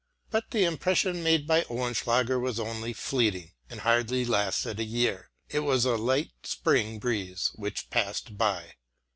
But the impression made by Oehlenschläger was only fleeting, and hardly lasted a year; it was a light spring breeze which passed by.